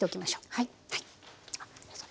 はい。